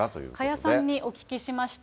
加谷さんにお聞きしました。